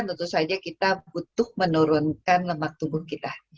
tentu saja kita butuh menurunkan lemak tubuh kita